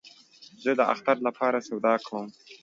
زه د اختر له پاره سودا کوم